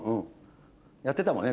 やってたもんね